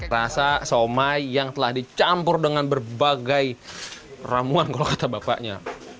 rasa somai yang telah dicampur dengan berbagai ramuan kalau kata bapaknya